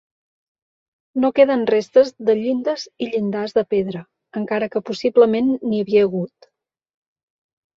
No queden restes de llindes i llindars de pedra, encara que possiblement n'hi havia hagut.